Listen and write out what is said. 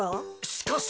しかし！